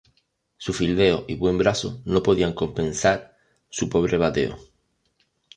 Su fildeo y buen brazo no podían compensar su pobre bateo.